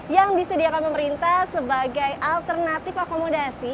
yang disediakan pemerintah sebagai alternatif akomodasi